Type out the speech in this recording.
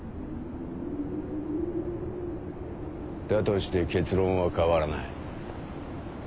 だとして結論は変わらない。